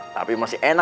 tapi masih enak